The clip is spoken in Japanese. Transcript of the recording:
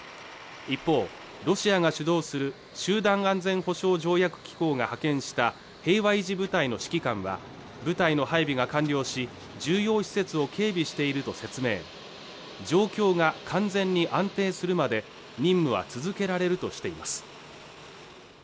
一方ロシアが主導する集団安全保障条約機構が派遣した平和維持部隊の指揮官は部隊の配備が完了し重要施設を警備していると説明状況が完全に安定するまで任務は続けられるとしています